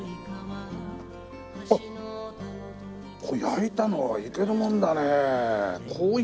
これ焼いたのはいけるもんだね。